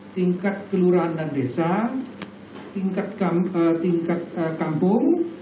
tingkat kelurahan dan desa tingkat kampung